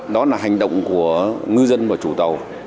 đó là hành động của ngư dân và chủ tàu